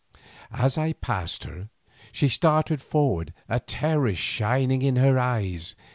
As I passed her, she started forward, a terror shining in her eyes.